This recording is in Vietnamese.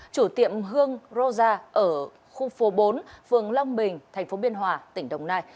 chủ tiệm hương roza ở khu phố bốn phường long bình tp biên hòa tỉnh đồng nai